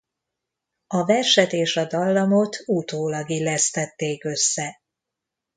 A verset és a dallamot utólag illesztették össze.